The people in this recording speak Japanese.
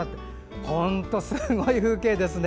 本当、すごい風景ですね。